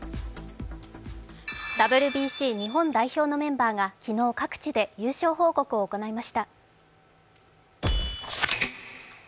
ＷＢＣ日本代表のメンバーが昨日各地で優勝報告を行いました。